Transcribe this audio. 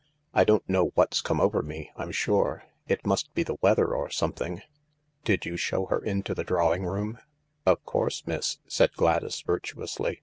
" I don't know what 's come over me, I'm sure I It must be the weather or something." " Did you show her into the drawing room ?"" Of course, miss," said Gladys virtuously.